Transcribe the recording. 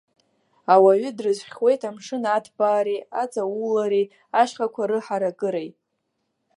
Ауаҩы дрызхьуеит амшын аҭбаареи, аҵаулареи, ашьхақәа рыҳаракыреи.